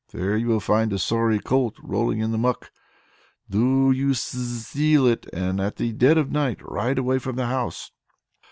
There you will find a sorry colt rolling in the muck. Do you steal it, and at the dead of night ride away from the house."